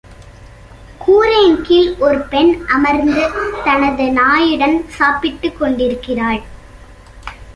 கூரையின் கீழ் ஒரு பெண் அமர்ந்து, தனது நாயுடன் சாப்பிட்டுக் கொண்டிருக்கிறாள்.